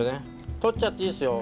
取っちゃっていいですよ。